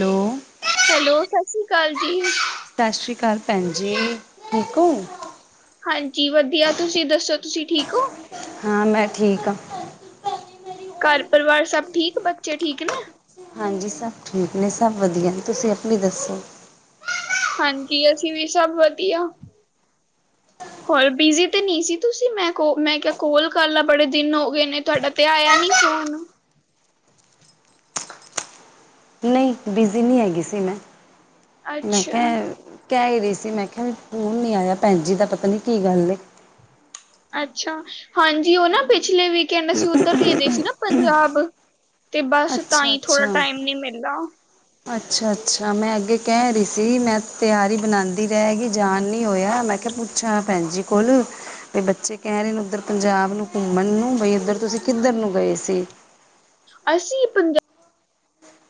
Hello hello ਸਤਿ ਸ਼੍ਰੀ ਅਕਾਲ ਜੀ ਸਤਿ ਸ਼੍ਰੀ ਅਕਾਲ ਭੈਣ ਜੀ ਦੇਖੋ ਹਾਂਜੀ ਵਧੀਆ ਤੁਸੀਂ ਦੱਸੋ ਤੁਸੀਂ ਠੀਕ ਹਾਂ ਮੈਂ ਠੀਕ ਹਾਂ ਘਰ ਪਰਿਵਾਰ ਸਭ ਠੀਕ ਬੱਚੇ ਠੀਕ ਨਾ ਇੱਕ ਕੁੜੀ ਦਾ ਹਾਂਜੀ ਸਰ ਠੀਕ ਨੇ ਸਰ ਵਧੀਆ ਨਹੀਂ ਤੁਸੀਂ ਹਾਂਜੀ ਅਸੀਂ ਵੀ ਸਭ ਵਧੀਆ ਔਰ ਬਿਜ਼ੀ ਤੇ ਨਹੀਂ ਸੀ ਤੁਸੀਂ ਮੈਂ ਕਿਹਾ ਕੋਲ ਕਰ ਲਾ ਬੜੇ ਦਿਨ ਹੋ ਗਏ ਤੁਹਾਡਾ ਤੇ ਆਇਆ ਨਹੀਂ ਫੋਨ ਨਹੀਂ ਬਿਜ਼ੀ ਨਹੀਂ ਹੈਗੀ ਸੀ ਮੈਂ ਮੈਂ ਅੱਛਾ, ਕਿਹਾ ਕਹਿ ਹੀ ਰਹੀ ਸੀ। ਮੈਂ ਕਿਹਾ ਵੀ ਫੋਨ ਨਹੀਂ ਆਇਆ ਭੈਣ ਜੀ ਦਾ ਪਤਾ ਨਹੀਂ ਕੀ ਗੱਲ ਏ। ਅੱਛਾ! ਹਾਂਜੀ, ਉਹ ਨਾ ਪਿਛਲੇ ਵੀਕਐਂਡ, ਅਸੀਂ ਉੱਧਰ ਗੇਦੇ ਸੀ ਨਾ ਪੰਜਾਬ। ਤੇ ਬੱਸ ਤਾਂ ਅੱਛਾ ਹੀ ਥੋੜ੍ਹਾ, ਅੱਛਾ ਟਾਈਮ ਨੀ ਮਿਲਦਾ। ਅੱਛਾ! ਅੱਛਾ! ਮੈਂ ਅੱਗੇ ਕਹਿ ਰਹੀ ਸੀ। ਮੈਂ ਤਿਆਰੀ ਬਣਾਉਂਦੀ ਰਹਿ ਗਈ ਜਾਨ ਨਹੀ ਹੋਇਆ। ਮੈਂ ਕਿਹਾ ਪੁੱਛ ਅੱਛਾ! ਭੈਣ ਜੀ ਕੋਲ ਬਈ, ਬੱਚੇ ਕਹਿ ਰਹੇ। ਉੱਧਰ ਪੰਜਾਬ ਨੂੰ ਘੁੰਮਣ ਨੂੰ ਬਈ ਉੱਧਰ, ਤੁਸੀਂ ਕਿੱਧਰ ਨੂੰ ਗਏ ਸੀ। ਅਸੀਂ ਪੰਜ-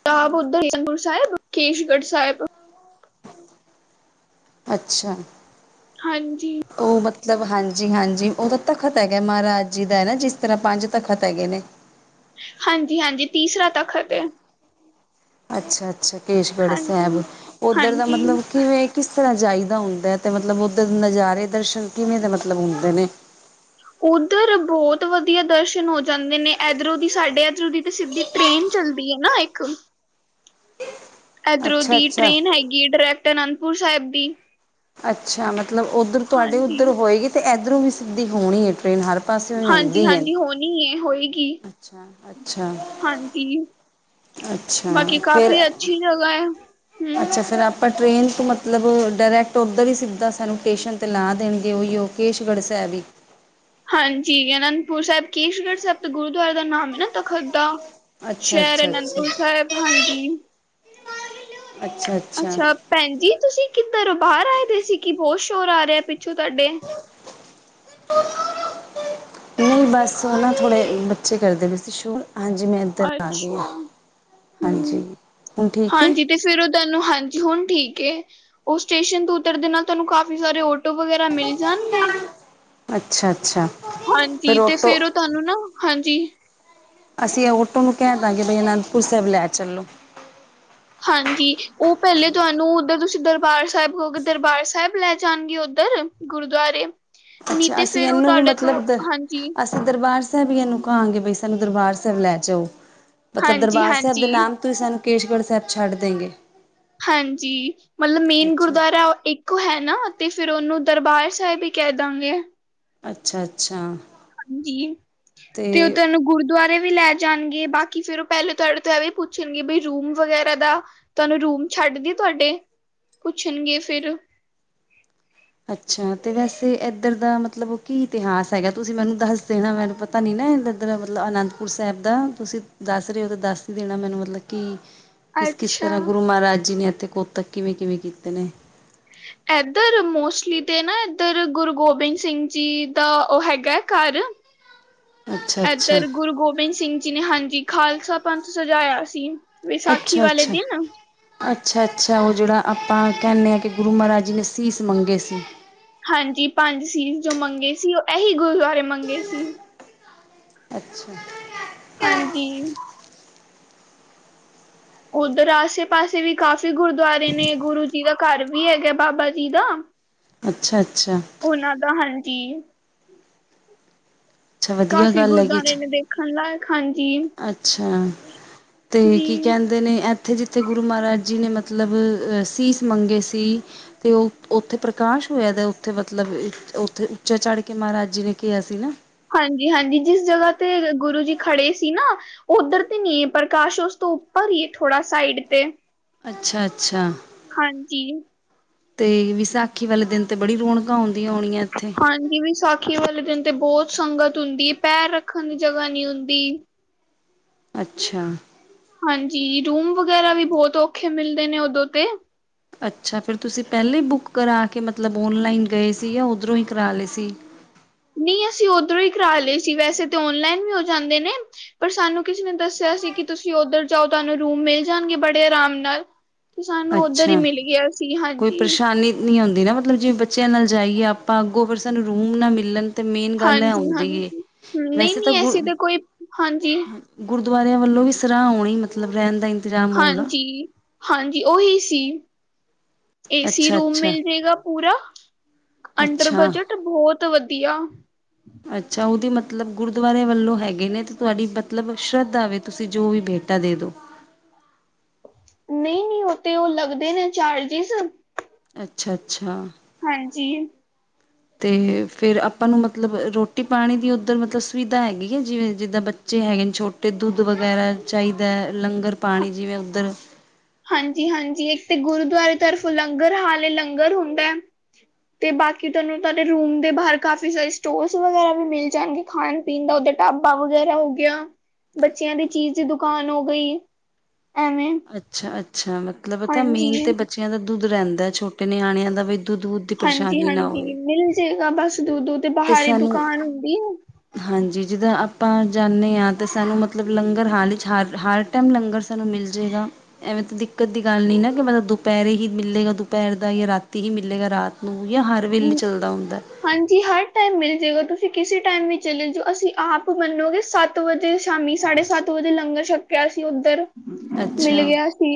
ਪੰਜਾਬ, ਉਧਰਪੁਰ ਸਾਹਿਬ, ਕੇਸ਼ਗੜ੍ਹ ਸਾਹਿਬ ਅੱਛਾ! ਹਾਂਜੀ। ਉਹ ਮਤਲਬ ਹਾਂਜੀ, ਹਾਂਜੀ ਉਹ ਤਾਂ ਤਖ਼ਤ ਹੈਗਾ, ਮਹਾਰਾਜ ਜੀ ਦਾ ਹੈ ਨਾ। ਜਿਸ ਤਰ੍ਹਾਂ ਪੰਜ ਤਖ਼ਤ ਹੈਗੇ ਨੇ ਹਾਂਜੀ- ਹਾਂਜੀ, ਤੀਸਰਾ ਤਖ਼ਤ ਹੈ। ਅੱਛਾ -ਅੱਛਾ! ਕੇਸ਼ਗੜ੍ਹ ਹਾਂਜੀ, ਸਾਹਿਬ ਉੱਧਰ ਦਾ ਹਾਂਜੀ। ਮਤਲਬ ਕੀ ਵੇ ਜਿਸ ਤਰਾਂ ਜਾਈਦਾ ਹੁੰਦਾ ਤੇ ਮਤਲਬ ਉਧਰ ਨਜ਼ਾਰੇ ਦਰਸ਼ਨ ਕਿਵੇਂ ਦਾ ਮਤਲਬ ਹੁੰਦੇ ਉਧਰ ਬਹੁਤ ਵਧੀਆ ਦਰਸ਼ਨ ਹੋ ਜਾਂਦੇ ਨੇ ਇਧਰੋਂ ਦੀ ਸਾਡੇ ਇਧਰੋਂ ਦੀ ਤੇ ਟ੍ਰੇਨ ਚਲਦੀ ਹੈ ਨਾ ਇੱਕ ਇਧਰੋਂ ਦੀ ਅੱਛਾ-ਅੱਛਾ। ਟ੍ਰੇਨ ਹੈਗੀ ਡਾਇਰੈਕਟ ਆਨੰਦਪੁਰ ਸਾਹਿਬ ਦੀ ਅੱਛਾ ਮਤਲਬ ਉਧਰ ਤੁਹਾਡੇ ਹਾਂਜੀ, ਉਧਰ ਹੋਏਗੀ ਤੇ ਇਧਰੋਂ ਵੀ ਸਿੱਧੀ ਹੋਣੀ ਹ ਟ੍ਰੇਨ ਹਰ ਲਈਨ ਹੈਗੀ ਔਰ ਇਹ ਉਹ ਹੈਗੀ ਪਾਸੀ ਹਾਂਜੀ, ਹੁੰਦੀ ਏ ਹਾਂਜੀ ਹੋਣੀ ਹੈ ਹੋਏਗੀ ਅੱਛਾ- ਅੱਛਾ! ਹਾਂਜੀ। ਅੱਛਾ! ਬਾਕੀ ਫਿਰ ਕਾਫ਼ੀ ਅੱਛੀ ਜਗ੍ਹਾ ਹੈ ਹਮ। ਅੱਛਾ! ਫਿਰ ਆਪ ਆਪਾਂ ਟ੍ਰਰੇਨ ਤੋਂ ਮਤਲਬ ਡਾਇਰੈਕਟ ਉੱਧਰ ਹੀ ਸਿੱਧਾ ਸਾਨੂੰ ਸਟੇਸ਼ਨ 'ਤੇ ਲਾ ਦੇਣਗੇ। ਉਹੀ ਉਹ ਕੇਸ਼ਗੜ੍ਹ ਸਾਹਿਬ ਹੀ ਹਾਂਜੀ। ਆਨੰਦਪੁਰ ਸਾਹਿਬ, ਕੇਸ਼ਗੜ੍ਹ ਸਾਹਿਬ ਗੁਰਦੁਆਰਾ ਦਾ ਨਾਮ ਹੈ ਨਾ ਤਖਤ ਦਾ ਅੱਛਾ ਸ਼ਹਿਰ ਅੱਛਾ ਅੱਛਾ ਅਨੰਦਪੁਰ ਸਾਹਿਬ। ਹਾਂਜੀ! ਅੱਛਾ! ਅੱਛਾ ਅੱਛਾ! ਭੈਣ ਜੀ ਤੁਸੀਂ ਕਿੱਧਰ ਹੋ? ਬਾਹਰ ਆਏ ਦੇ ਸੀ। ਕਿ ਬਹੁਤ ਸ਼ੋਰ ਆ ਰਿਹਾ ਪਿੱਛੋਂ ਤੁਹਾਡੇ ਨਹੀਂ, ਬੱਸ ਨਾ ਥੋੜੇ ਬੱਚੇ ਕਰਦੇ ਪਏ ਸੀ ਸ਼ੋਰ। ਹਾਂਜੀ ਮੈਂ ਅੱਛਾ ਹਾਂਜੀ, ਹੂੰ ਹੁਣ ਠੀਕ ਹੈ। ਹਾਂਜੀ ਤੇ ਫਿਰ ਉਹ ਤੁਹਾਨੂੰ ਹਾਂਜੀ, ਹੁਣ ਠੀਕ ਉਹ ਸਟੇਸ਼ਨ ਤੋਂ ਉਤਰ ਦੇ ਨਾਲ ਤੁਹਾਨੂੰ ਕਾਫੀ ਸਾਰੇਔਟੌ ਟੋ ਕੋ ਵਗੈਰਾ ਮਿਲ ਜਾਣਗੇ। ਅੱਛਾ -ਅੱਛਾ! ਹਾਂਜੀ, ਤੇ ਫਿਰ ਉਹ ਤੁਹਾਨੂੰ ਨਾ ਹਾਂਜੀ। ਅਸੀਂ ਔਟੋ ਨੂੰ ਕਹਿ ਦਾਂਗੇ। ਬਾਈ ਆਨੰਦਪੁਰ ਸਾਹਿਬ ਲੈ ਚੱਲੋ। ਹਾਂਜੀ, ਉਹ ਪਹਿਲੇ ਤੁਹਾਨੂੰ ਉੱਧਰ ਤੁਸੀਂ ਦਰਬਾਰ ਸਾਹਿਬ ਕਹੋਗੇ। ਦਰਬਾਰ ਸਾਹਿਬ ਲੈ ਜਾਣਗੇ ਉੱਧਰ। ਗੁਰਦੁਆਰੇ, ਨੀ ਅੱਛਾ ਤੇ ਅਸੀਂ ਫੇਰ ਉਹ ਇਹਨੂੰ ਵੀ ਤੁਹਾਡੇ ਤੋਂ, ਮਤਲਬ ਦ ਹਾਂਜੀ ਅਸੀਂ ਦਰਬਾਰ ਸਾਹਿਬ ਹੀ ਇਹਨੂੰ ਕਹਾਂਗੇ, ਬਈ ਸਾਨੂੰ ਦਰਬਾਰ ਸਾਹਿਬ ਲੈ ਜਾਓ। ਮਤਲਬ ਹਾਂਜੀ ਦਰਬਾਰ ਸਾਹਿਬ ਦੇ ਹਾਂਜੀ ਨਾਮ ਤੁਸੀਂ ਸਾਨੂੰ ਕੇਸਗੜ੍ਹ ਸਾਹਿਬ ਛੱਡ ਦਈਗੇ ਹਾਂਜੀ, ਮਤਲਬ ਮੇਨ ਅੱਛਾ ਗੁਰਦੁਆਰਾ ਉਹ ਇੱਕ ਓ ਹੈ ਨਾ ਅਤੇ ਫਿਰ ਉਹਨੂੰ ਦਰਬਾਰ ਸਾਹਿਬ ਹੀ ਕਹਿ ਦਾਂਗੇ। ਅੱਛਾ! ਅੱਛਾ ਹਾਂਜੀ, ਤੇ ਉਹ ਅਤੇ ਤੈਨੂੰ ਗੁਰ ਦੁਆਰੇ ਵੀ ਲੈ ਜਾਣਗੇ। ਬਾਕੀ ਫਿਰ ਉਹ ਪਹਿਲੇ ਤੁਹਾਡੇ ਤੋਂ ਇਹ ਵੀ ਪੁੱਛਣਗੇ। ਵੀ ਰੂਮ ਵਗੈਰਾ ਦਾ ਤੁਹਾਨੂੰ ਰੂਮ ਛੱਡਦੀ ਤੁਹਾਡੇ, ਪੁੱਛਣਗੇ ਫਿਰ ਅੱਛਾ ਤੇ ਵੈਸੇ ਇੱਧਰ ਦਾ ਮਤਲਬ ਉਹ ਕੀ ਇਤਿਹਾਸ ਹੈਗਾ। ਤੁਸੀਂ ਮੈਨੂੰ ਦੱਸਦੇ ਨਾ, ਮੈਨੂੰ ਪਤਾ ਤਾ ਨੀ ਨਾ ਇਧਰ ਮਤਲਬ ਆਨੰਦਪੁਰ ਸਾਹਿਬ ਦਾ ਤੁਸੀਂ ਦੱਸ ਰਹੇ ਹੋ ਤਾਂ ਦੱਸ ਹੀ ਦੇਣਾ ਮੈਨੂੰ ਮਤਲਬ ਮਤਲਬ ਕੀ ਕਿਸ ਕਿਸ ਅੱਛਾ ਤਰ੍ਹਾਂ, ਗੁਰੂ ਮਹਾਰਾਜ ਜੀ ਨੇ ਇਥੇ ਕੋਤਕ ਕਿਵੇਂ ਕਿਵੇਂ ਕੀਤੇ ਨੇ। ਇੱਧਰ ਮੋਸਟਲੀ ਤੇ ਨਾ ਇੱਧਰ, ਗੁਰੂ ਗੋਬਿੰਦ ਸਿੰਘ ਜੀ ਦਾ ਉਹ ਹੈਗਾ ਹੈ ਘਰ [inaudible] ਅੱਛਾ ਅੱਛਾ ਇੱਧਰ, ਗੁਰੂ ਗੋਬਿੰਦ ਸਿੰਘ ਜੀ ਨੇ ਹਾਂਜੀ, ਖਾਲਸਾ ਪੰਥ ਸਜਾਇਆ ਸੀ। ਵਿਸਾਖੀ ਅੱਛਾ ਵਾਲੇ ਅੱਛਾ। ਦਿਨ ਅੱਛਾ ਅੱਛਾ ਉਹ ਜਿਹੜਾ ਆਪਾਂ ਕਹਿੰਦੇ ਹਾਂ ਕਿ ਗੁਰੂ ਮਹਾਰਾਜ ਜੀ ਨੇ ਸੀਸ ਮੰਗੇ ਸੀ। ਹਾਂਜੀ ਪੰਜ ਸੀਜ਼ ਜੋ ਮੰਗੇ ਸੀ ਉਹ ਇਹੀ ਗੁਰਦੁਆਰੇ ਮੰਗੇ ਸੀ। ਅੱਛਾ। ਹਾਂਜੀ। ਉੱਧਰ ਆਸੇ ਪਾਸੇ ਵੀ ਕਾਫ਼ੀ ਗੁਰਦੁਆਰੇ ਨੇ ਗੁਰੂ ਜੀ ਦਾ ਘਰ ਵੀ ਹੈਗਾ ਬਾਬਾ ਜੀ ਦਾ। [inaudible] ਅੱਛਾ ਅੱਛਾ। ਉਹਨਾਂ ਦਾ ਹਾਂਜੀ। ਅੱਛਾ ਵਧੀਆ ਕਾਫ਼ੀ ਗੱਲ ਹੈਗੀ ਗੁਰਦੁਆਰੇ ਨੇ ਦੇਖਣ ਲਾਇਕ ਹਾਂਜੀ। ਅੱਛਾ ਤੇ ਜੀ ਕੀ ਕਹਿੰਦੇ ਨੇ ਜਿੱਥੇ ਜਿੱਥੇ ਗੁਰੂ ਮਹਾਰਾਜ ਜੀ ਨੇ ਮਤਲਬ ਸੀਸ ਮੰਗੇ ਸੀ ਅਤੇ ਉਹ ਉੱਥੇ ਪ੍ਰਕਾਸ਼ ਹੋਇਆ ਦਾ ਉੱਥੇ ਮਤਲਬ ਉੱਥੇ ਉੱਚਾ ਚੜ੍ਹ ਕੇ ਮਹਾਰਾਜ ਜੀ ਨੇ ਕਿਹਾ ਸੀ ਨਾ। ਹਾਂਜੀ -ਹਾਂਜੀ, ਜਿਸ ਜਗ੍ਹਾ ਤੇ ਗੁਰੂ ਜੀ ਖੜੇ ਸੀ ਨਾ ਉੱਧਰ ਤੇ ਨਹੀ ਹੈ। ਪ੍ਰਕਾਸ਼ ਉਸ ਤੋਂ ਉੱਪਰ ਹੀ ਥੋੜਾ ਸਾਈਡ ਤੇ ਅੱਛਾ ਅੱਛਾ ਹਾਂਜੀ ਤੇ ਵਿਸਾਖੀ ਵਾਲੇ ਦਿਨ ਤਾਂ ਬੜੀ ਰੌਣਕਾਂ ਆਉਂਦੀਆਂ ਆਉਣੀਆਂ ਇੱਥੇ ਹ ਜੀ ਦੀ ਵਿਸਾਖੀ ਵਾਲੇ ਦਿਨ ਤੇ ਬਹੁਤ ਸੰਗਤ ਹੁੰਦੀ ਹੈ। ਪੈਰ ਰੱਖਣ ਦੀ ਜਗ੍ਹਾ ਨਹੀਂ ਹੁੰਦੀ ਅੱਛਾ। ਹਾਂਜੀ ਰੂਮ ਵਗੈਰਾ ਵੀ ਬਹੁਤ ਔਖੇ ਮਿਲਦੇ ਨੇ ਉਦੋਂ ਤੇ। ਅੱਛਾ ਫਿਰ ਤੁਸੀਂ ਪਹਿਲੇਾਂ ਹੀ ਬੁੱਕ ਕਰਾ ਕੇ ਮਤਲਬ ਔਨਲਾਈਨ ਗਏ ਸੀ ਜਾਂ ਉੱਧਰੋਂ ਹੀ ਕਰਾ ਲਏ ਸੀ? ਨਹੀਂ ਅਸੀਂ ਉਓਧਰੋਂ ਹੀ ਕਰਾ ਲਏ ਸੀ ਵੈਸੇ ਤਾਂ ਓਨਲਾਈਨ ਵੀ ਹੋ ਜਾਂਦੇ ਨੇ। ਪਰ ਸਾਨੂੰ ਕਿਸੇ ਨੇ ਦੱਸਿਆ ਸੀ ਕਿ ਤੁਸੀਂ ਉੱਧਰ ਜਾਓ ਤੁਹਾਨੂੰ ਰੂਮ ਮਿਲ ਜਾਣਗੇ ਬੜੇ ਆਰਾਮ ਨਾਲ। ਤੇ ਸਾਨੂੰ ਉੱਧਰ ਹੀ ਅੱਛਾ ਮਿਲ ਗਿਆ। ਸੀ ਕੋਈ ਹਾਂਜੀ ਪਰੇਸ਼ਾਨੀ ਨਹੀਂ ਆਉਂਦੀ ਨਾ ਮਤਲਬ ਜਿਵੇਂ ਬੱਚਿਆਂ ਨਾਲ ਜਾਈਏ ਆਪਾਂ ਅੱਗੋਂ ਫਿਰ ਸਾਨੂੰ ਰੂਮ ਨਾ ਮਿਲਣ। ਤੇ ਮੇਨ ਗੱਲ ਹੈ ਹਾਂਜੀ ਆਉਂਦੀ ਹੈ ਹਾਂਜੀ ਨਹੀਂ ਵੈਸੇ ਤਾਂ ਨਹੀਂ ਗ ਐਸੀ ਕੋਈ ਹਾਂਜੀ ਗੁਰਦੁਆਰਿਆਂ ਵੱਲੋਂ ਵੀ ਸਰਾਹ ਆਣਾ ਮਤਲਬ ਰਹਿਣ ਦਾ। ਇੰਤਜ਼ਾਮ ਹੋਏਗਾ ਹਾਂਜੀ ਹਾਂਜੀ ਉਹੀ ਸੀ। ਏਸੀ ਅੱਛਾ ਰੂਮ ਅੱਛਾ ਮਿਲ ਜਾੇਗਾ ਪੂਰਾ ਅੰਡਰ ਅੱਛਾ ਬਜਟ ਬਹੁਤ ਵਧੀਆ। ਹਮ। ਅੱਛਾ ਉਹਦੇ ਮਤਲਬ ਗੁਰਦੁਆਰਰੇ ਵੱਲੋਂ ਹੈਗੇ ਨੇ ਤੇ ਤੁਹਾਡੀ ਮਤਲਬ ਸ਼ਰਧਾਵੇ ਤੁਸੀਂ ਜੋ ਵੀ ਬੇਟਾ ਦੇ ਦਿਉ। ਨਹੀਂ ਨਹੀਂ ਉਹ ਤੇ ਉਹ ਲੱਗਦੇ ਨੇ ਚਾਰਜਿਸ। ਅੱਛਾ ਅੱਛਾ। ਹਾਂਜੀ। ਤੇ ਫੇਰ ਆਪਾਂ ਨੂੰ ਮਤਲਬ ਰੋਟੀ ਪਾਣੀ ਦੀ ਉੱਧਰ ਮਤਲਬ ਸੁਵਿਧਾ ਹੈਗੀ ਹੈ ਜਿਵੇਂ ਜਿੱਦਾਂ ਬ ਜਚੇ ਹੈਗੇ ਨੇ ਛੋਟੇ ਦੁੱਧ ਵਗੈਰਾ ਚਾਹੀਦਾ ਲੰਗਰ ਹਾਂ- ਪਾਣੀ ਜਿਵੇਂ ਉੱਧਰ। ਹਾਂਜੀ ਹਾਂਜੀ ਇੱਕ ਤੇ ਗੁਰੂਦੁਆਰੇ ਤਰਫੋਂ ਲੰਗਰ ਹਾਲੇ ਲੰਗਰ ਹੁੰਦਾ ਹੈ। ਤੇ ਬਾਕੀ ਤੁਹਾਨੂੰ ਤੁਹਾਡੇ ਰੂਮ ਦੇ ਬਾਹਰ ਕਾਫੀ ਸਾਰੇ ਸਟੋਰਸ ਵਗੈਰਾ ਵੀ ਮਿਲ ਜਾਣਗੇ। ਖਾਣ ਪੀਣ ਦਾ ਉੱਧਰ ਢਾਬਾ ਵਗੈਰਾ ਹੋ ਗਿਆ ਬੱਚਿਆਂ ਦੀ ਚੀਜ਼ ਦੀ ਦੁਕਾਨ ਹੋ ਗਈ। ਐਵੇਂ। ਅੱਛਾ ਅੱਛਾ ਮਤਲਬ ਤਾਂ ਹਾਂਜੀ ਮੇਨ ਤਾਂ ਬੱਚਿਆਂ ਦਾ ਦੁੱਧ ਰਹਿੰਦਾ ਛੋਟੇ ਨਿਆਣਿਆਂ ਦਾ ਵੀ ਇੱਧ ਦੁੱਧ ਦੀ ਹਾਂਜੀ ਪਰੇਸ਼ਾਨੀ ਨਾ ਹਾਂਜੀ ਹੋਵੇ ਮਿਲ ਜੇਗਾ ਬਸ ਦੂਰ ਦੂਰ ਤੇ ਬਾਹਰੀ ਦੁਕਾਨ ਹੁੰਦੀ। ਹਾਂਜੀ ਜਿੱਦਾਂ ਆਪਾਂ ਜਾਂਦੇ ਹਾਂ ਤਾਂ ਸਾਨੂੰ ਮਤਲਬ ਲੰਗਰ ਹਾਲ ਵਿੱਚ ਹਾਰ ਹਾਰਟ ਟਮ ਲੰਗਰ ਸਾਨੂੰ ਮਿਲ ਜਾਏਗਾ। ਐਵੇਂ ਤਾਂ ਦਿੱਕਤ ਦੀ ਗੱਲ ਨੀ ਨਾ ਕਿ ਮਤਲਬ ਦੁਪਹਿਰੇ ਹੀ ਮਿਲੇਗਾ ਦੁਪਹਿਰ ਦਾ ਜਾਂ ਰਾਤੀ ਹੀ ਮਿਲੇਗਾ ਰਾਤ ਆ ਹਰ ਵੇਲੇ ਚੱਲਦਾ ਹੁੰਦਾ। ਹਾਂਜੀ ਹਰ ਟਾਈਮ ਮਿਲ ਜਏਗਾ ਤੁਸੀਂ ਕਿਸੇ ਟਾਈਮ ਵੀ ਚਲੇ ਜਾ ਅਸੀਂ ਆਪ ਮੰਨੋਗੇ ਸੱਤ ਸੱਤ ਵਜੇ ਸ਼ਾਮੀ ਸਾਢੇ ਸੱਤ ਵਜੇ ਲੰਗਰ ਛਕਿਆ ਸੀ ਉੱਧਰ। ਮਿਲ ਅੱਛਾ ਗਿਆ ਸੀ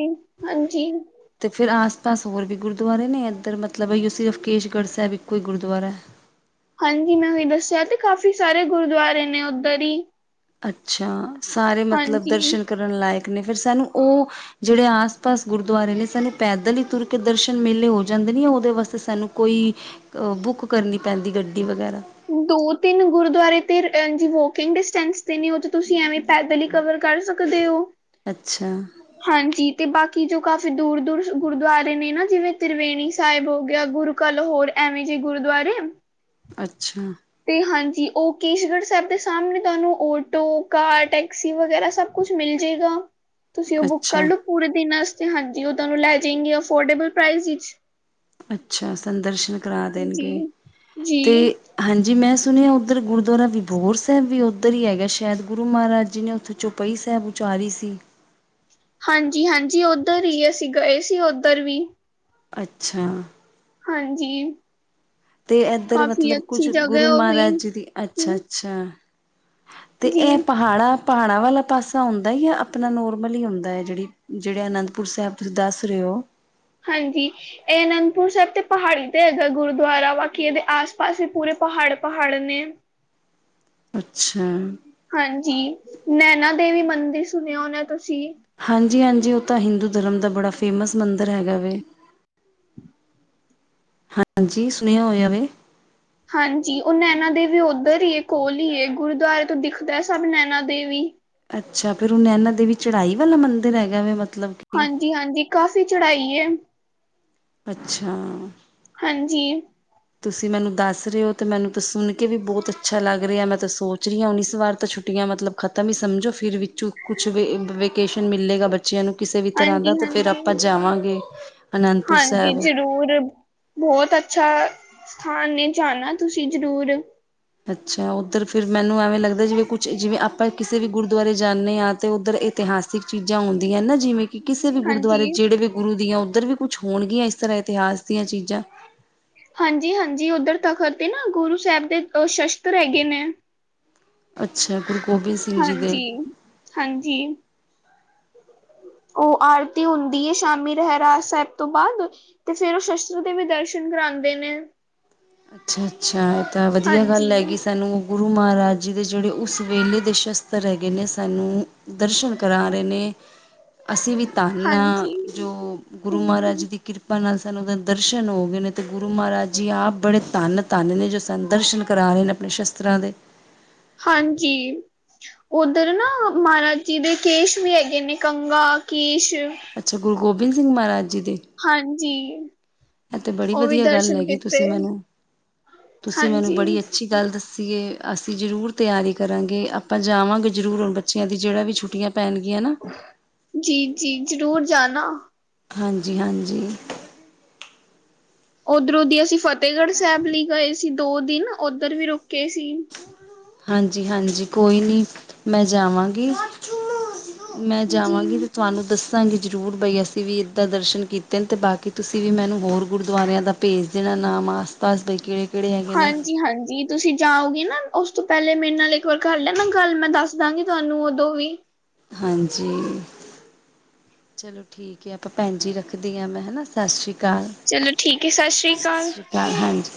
ਹਾਂਜੀ। ਅਤੇ ਫਿਰ ਆਸ ਪਾਸ ਹੋਰ ਵੀ ਗੁਰਦੁਆਰੇ ਨੇ ਇੱਧਰ ਮਤਲਬ ਹੈ ਉਹ ਸਿਰਫ ਕੇਸ਼ਗੜ੍ਹ ਸਾਹਿਬ ਇੱਕੋ ਹੀ ਗੁਰਦੁਆਰਾ ਹੈ। ਹਾਂਜੀ ਮੈਂ ਉਹੀ ਦੱਸਿਆ ਤੇ ਕਾਫ਼ੀ ਸਾਰੇ ਗੁਰਦੁਆਰੇ ਨੇ ਉੱਧਰ ਹੀ। ਅੱਛਾ ਸਾਰੇ ਮਤਲਬ ਹਾਂਜੀ ਦਰਸ਼ਨ ਕਰਨ ਲਾਇਕ ਨੇ ਫਿਰ ਸਾਨੂੰ ਉਹ ਜਿਹੜੇ ਆਸ ਪਾਸ ਗੁਰਦੁਆਰੇ ਨੇ ਸਾਨੂੰ ਪੈਦਲ ਹੀ ਤੁਰ ਕੇ ਦਰਸ਼ਨ ਮੇਲੇ ਹੋ ਜਾਂਦੇ ਨੇ ਆ ਉਹਦੇ ਵਾਸਤੇ ਸਾਨੂੰ ਕੋਈ ਅ ਬੁੱਕ ਕਰਨੀ ਪੈਂਦੀ ਗੱਡੀ ਵਗੈਰਾ। ਦੋ ਤਿੰਨ ਗੁਰਦੁਆਰੇ ਤੇ ਅ ਜੀ ਵੋਕਿੰਗ ਡਿਸਟੈਂਸ ਤੇ ਨੇ ਉਹ ਚ ਤੁਸੀਂ ਐਵੇਂ ਪੈਦਲੀ ਕਵਰ ਕਰ ਸਕਦੇ ਹੋ। ਅੱਛਾ। ਹਾਂਜੀ ਤੇ ਬਾਕੀ ਜੋ ਕਾਫ਼ੀ ਦੂਰ ਦੂਰ ਗੁਰਦੁਆਰੇ ਨੇ ਨਾ ਜਿਵੇਂ ਤ੍ਰਿਵੇਣੀ ਸਾਹਿਬ ਹੋ ਗਿਆ ਗੁਰ ਕੱਲ ਹੋਰ ਐਵੇਂ ਜੇ ਗੁਰੂਦੁਆਰੇ ਅੱਛਾ। ਤੇ ਹਾਂਜੀ ਉਹ ਕੇਸ਼ਗੜ੍ਹ ਸਾਹਿਬ ਦੇ ਸਾਹਮਣੇ ਤੁਹਾਨੂੰ ਆਟੋ ਕਾਰ ਟੈਕਸੀ ਵਗੈਰਾ ਸਭ ਕੁਛ ਮਿਲ ਜੇਗਾ। ਤੁਸੀਂ ਉਹ ਬੁੱਕ ਕਰ ਅੱਛਾ। ਲਓ ਪੂਰੇ ਦਿਨ ਵਾਸਤੇ ਹਾਂਜੀ ਉਹ ਤੁਹਾਨੂੰ ਲੈ ਜਾਏਗੀ ਅਫੋਰਡੇਬਲ ਪ੍ਰਸ ਵਿੱਚ। ਅੱਛਾ ਸੰਦਰਸ਼ਨ ਕਰਾ ਦੇਣਗੇ ਹਾਂਜੀ ਤੇ ਜੀ ਹਾਂਜੀ ਮੈਂ ਸੁਣਿਆ ਉੱਧਰ ਗੁਰਦੁਆਰਾ ਵਿਬੋਰ ਸਾਹਿਬ ਵੀ ਉੱਧਰ ਹੀ ਹੈਗਾ ਸ਼ਾਇਦ ਗੁਰੂ ਮਹਾਰਾਜ ਜੀ ਨੇ ਉੱਥੇ ਚੁੱਪ ਪਈ ਸਾਹਿਬ ਉਚਾਰੀ ਸੀ। ਹਾਂਜੀ, ਹਾਂਜੀ ਉੱਧਰ ਹੀ ਅਸੀਂ ਗਏ ਸੀ ਉੱਧਰ ਵੀ। ਅੱਛਾ। ਹਾਂਜੀ। ਤੇ ਇੱਧਰ ਕਾਫੀ ਮਤਲਬ ਕੁੱਛ ਅੱਛੀ ਜਗ੍ਹਾ ਗੁਰੂ ਹੈ ਉਹ ਵੀ ਮਹਾਰਾਜ ਜੀ ਦੀ ਅੱਛਾ, ਅੱਛਾ ਤੇ ਜੀ ਇਹ ਪਹਾੜਾਂ ਪਹਾੜਾਂ ਵਾਲਾ ਪਾਸਾ ਹੁੰਦਾ ਜਾਂ ਆਪਣਾ ਨੋਰਮਲ ਹੀ ਹੁੰਦਾ ਹੈ। ਜਿਹੜੀ ਜਿਹੜੇ ਅਨੰਦਪੁਰ ਸਾਹਿਬ ਤੁਸੀਂ ਦੱਸ ਰਹੇ ਹੋ। ਹਾਂਜੀ। ਇਹ ਅਨੰਦਪੁਰ ਸਾਹਿਬ ਤੇ ਪਹਾੜੀ ਤੇ ਹੈਗਾ ਗੁਰੂਦੁਆਰਾ ਬਾਕੀ ਇਹਦੇ ਆਸ ਪਾਸ ਵੀ ਪੂਰੇ ਪਹਾੜ, ਪਹਾੜ ਨੇ। ਅੱਛਾ। ਹਾਂਜੀ ਨੈਨਾ ਦੇਵੀ ਮੰਦਿਰ ਸੁਣਿਆ ਹੋਣਾ ਤੁਸੀਂ। ਹਾਂਜੀ, ਹਾਂਜੀ ਉਹ ਤਾਂ ਹਿੰਦੂ ਧਰਮ ਦਾ ਬੜਾ ਫੇਮਸ ਮੰਦਿਰ ਹੈਗਾ ਵੇ। ਹਾਂਜੀ ਸੁਣਿਆ ਹੋਇਆਵੇ। ਹਾਂਜੀ ਉਹ ਨੈਨਾ ਦੇਵੀ ਉੱਧਰ ਹੀ ਕੋਲ ਹੀ ਏ ਗੁਰਦੁਆਰੇ ਤੋਂ ਦਿਖਦਾ ਸਭ ਨੈਨਾ ਦੇਵੀ। ਅੱਛਾ ਫਿਰ ਉਹ ਨੈਣਾ ਦੇਵੀ ਚੜਾਈ ਵਾਲਾ ਮੰਦਿਰ ਹੈਗਾ ਵੇ ਮਤਲਬ ਕਿ ਹਾਂਜੀ, ਹਾਂਜੀ ਕਾਫ਼ੀ ਚੜਾਈ ਏ। ਅੱਛਾ। ਹਾਂਜੀ। ਤੁਸੀਂ ਮੈਨੂੰ ਦੱਸ ਰਹੇ ਹੋ ਅਤੇ ਮੈਨੂੰ ਤਾਂ ਸੁਣ ਕੇ ਵੀ ਬਹੁਤ ਅੱਛਾ ਲੱਗ ਰਿਹਾ, ਮੈਂ ਤਾਂ ਸੋਚ ਰਹੀ ਹਾਂ ਉਨੀ ਇਸ ਵਾਰ ਤਾਂ ਛੁੱਟੀਆਂ ਮਤਲਬ ਖਤਮ ਹੀ ਸਮਝੋ ਫਿਰ ਵਿੱਚੋਂ ਕੁਛ ਵੇਕੇਸ਼ਨ ਮਿਲੇਗਾ ਬ ਬੱਚਿਆਂ ਨੂੰ ਕਿਸੇ ਵੀ ਤਰ੍ਹਾਂ ਦਾ ਹਾਂਜੀ ਤੇ ਫੇਰ ਹਾਂਜੀ ਆਪਾਂ ਜਾਵਾਂਗੇ। ਅਨੰਦਪੁਰ ਹਾਂਜੀ ਸਾਹਿਬ ਜ਼ਰੂਰ। ਬਹੁਤ ਅੱਛਾ ਸਥਾਨ ਨੇ ਜਾਣਾ ਤੁਸੀਂ ਜ਼ਰੂਰ। ਅੱਛਾ ਉੱਧਰ ਫਿਰ ਮੈਨੂੰ ਐਵੇਂ ਲੱਗਦਾ ਜਿਵੇਂ ਕੁਛ ਜਿਵੇਂ ਆਪਾਂ ਕਿਸੇ ਵੀ ਗੁਰਦੁਆਰੇ ਜਾਂਦੇ ਹਾਂ ਤੇ ਉੱਧਰ ਇਤਿਹਾਸਿਕ ਚੀਜ਼ਾਂ ਹੁੰਦੀਆਂ ਨਾ ਜਿਵੇਂ ਕਿ ਕਿਸੇ ਵੀ ਗੁਰਦੁਆਰੇ ਹਾਂਜੀ ਜਿਹੜੇ ਵੀ ਗੁਰੂ ਦੀਆਂ ਉੱਧਰ ਵੀ ਕੁਛ ਹੋਣਗੀਆਂ ਇਸ ਤਰ੍ਹਾਂ ਇਤਿਹਾਸ ਦੀਆਂ ਚੀਜ਼ਾਂ। ਹਾਂਜੀ, ਹਾਂਜੀ ਉੱਧਰ ਤਖਤ ਤੇ ਨਾ ਗੁਰੂ ਸਾਹਿਬ ਦੇ ਸ਼ਸਤਰ ਹੈਗੇ ਨੇ। ਅੱਛਾ ਗੁਰੂ ਗੋਬਿੰਦ ਸਿੰਘ ਜੀ ਦੇ। ਹਾਂਜੀ। ਉਹ ਆਰਤੀ ਹੁੰਦੀ ਏ ਸ਼ਾਮੀ ਰਹਿਰਾਜ ਸਾਹਿਬ ਤੋਂ ਬਾਅਦ ਤੇ ਫੇਰ ਉਹ ਸ਼ਸਤਰ ਦੇ ਵੀ ਦਰਸ਼ਨ ਕਰਾਉਂਦੇ ਨੇ। ਅੱਛਾ, ਅੱਛਾ ਇਹ ਤਾਂ ਵਧੀਆ ਗੱਲ ਹੈਗੀ ਹਾਂਜੀ-ਹਾਂਜੀ ਸਾਨੂੰ ਗੁਰੂ ਮਹਾਰਾਜ ਜੀ ਦੇ ਜਿਹੜੇ ਉਸ ਵੇਲੇ ਦੇ ਸ਼ਸਤਰ ਹੈਗੇ ਨੇ ਸਾਨੂੰ ਦਰਸ਼ਨ ਕਰਾ ਰਹੇ ਨੇ। ਅਸੀਂ ਵੀ ਧਾਨਆ ਜੋ ਗੁਰੂ ਮਹਾਰਾਜ ਜੀ ਹੂੰ ਦੀ ਕਿਰਪਾ ਨਾਲ ਸਾਨੂੰ ਉਹਦੇ ਦਰਸ਼ਨ ਹੋ ਗਏ ਨੇ, ਤੇ ਗੁਰੂ ਮਹਾਰਾਜ ਜੀ ਆਪ ਬੜੇ ਧੰਨ ਤੰਨੇ ਨੇ ਜੋ ਸਾਨੂੰ ਦਰਸ਼ਨ ਕਰਾ ਰਹੇ ਨੇ ਆਪਣੇ ਸ਼ਸਤਰਾਂ ਦੇ। ਹਾਂਜੀ। ਉੱਧਰ ਨਾ ਮਹਾਰਾਜ ਜੀ ਦੇ, ਕੇਸ਼ ਵੀ ਹੈਗੇ ਨੇ ਕੰਗਾ ਕੇਸ਼ ਅੱਛਾ, ਗੁਰੂ ਗੋਬਿੰਦ ਸਿੰਘ ਮਹਾਰਾਜ ਜੀ ਦੇ? ਹਾਂਜੀ। ਇਹ ਤੇ ਬੜੀ ਉਹ ਵੀ ਵਧੀਆ ਗੱਲ ਦਰਸ਼ਨ ਹੈਗੀ, ਕੀਤੇ ਤੁਸੀਂ ਮੈਨੂੰ ਤੁਸੀਂ ਮੈਨੂੰ ਹਾਂਜੀ ਬੜੀ ਅੱਔ ਅੱਛੀ ਗੱਲ ਦੱਸੀਏ, ਅਸੀਂ ਜ਼ਰੂਰ ਤਿਆਰੀ ਕਰਾਂਗੇ, ਆਪਾਂ ਜਾਵਾਂਗੇ ਜ਼ਰੂਰ ਹੁਣ ਬੱਚਿਆਂ ਦੀ ਜਿਹੜਾ ਵੀ ਛੁੱਟੀਆਂ ਪੈਣਗੀਆਂ ਨਾ ਜੀ ਜੀ ਜ਼ਰੂਰ ਜਾਣਾ। ਹਾਂਜੀ ਹਾਂਜੀ। ਓਧਰੋਂ ਦੀ ਅਸੀਂ ਫ਼ਤਿਹਗੜ੍ਹ ਸਾਹਿਬ ਲਈ ਗਏ ਸੀ, ਦੋ ਦਿਨ ਓਧਰ ਵੀ ਰੁਕੇ ਸੀ। ਹਾਂਜੀ, ਹਾਂਜੀ ਕੋਈ ਨਹੀਂ ਮੈਂ ਜਾਵਾਂਗੀ। ਮੈਂ ਜੀ ਜਾਵਾਂਗੀ ਤੇ ਤੁਹਾਨੂੰ ਦੱਸਾ ਦੱਸਾਂਗੇ ਜ਼ਰੂਰ ਬਈ ਅਸੀਂ ਵੀ ਇੱਦਾਂ ਦਰਸ਼ਨ ਕੀਤੇ ਨੇ ਤੇ ਬਾਕੀ ਤੁਸੀਂ ਵੀ ਮੈਨੂੰ ਹੋਰ ਗੁਰਦੁਆਰਿਆਂ ਦਾ ਭੇਜ ਦੇਣਾ ਨਾਮ ਆਸ ਪਾਸਦੇ ਕਿਹੜੇ ਕਿਹੜੇ ਹੈਗੇ ਨੇ ਹਾਂਜੀ, ਹਾਂਜੀ ਤੁਸੀਂ ਜਾਓਗੇ ਨਾ ਉਸ ਤੋਂ ਪਹਿਲੇ ਮੇਰੇ ਨਾਲ ਇੱਕ ਵਾਰ ਕਰ ਲੈਨਾ ਗੱਲ, ਮੈਂ ਦੱਸ ਦਾਂਗੀ ਤੁਹਾਨੂੰ ਉਦੋਂ ਵੀ। ਹਾਂਜੀ। ਚਲੋ ਠੀਕ ਐ ਆਪਾਂ ਭੈਣਜੀ ਰੱਖਦੇ ਆ ਮੈਂ ਹਨਾ, ਸਤਿ ਸ਼੍ਰੀ ਚਲੋਂ ਠੀਕ ਐ, ਸਤਿ ਸ਼੍ਰੀ ਅਕਾਲ। ਹਾ ਹਾਂਜੀ।